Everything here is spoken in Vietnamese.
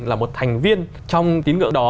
là một thành viên trong tiếng ngữ đó